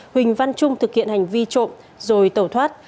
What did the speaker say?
huỳnh văn trung thực hiện hành vi trộm rồi tẩu thoát